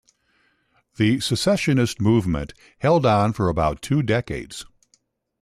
The secessionist movement held on for about two decades.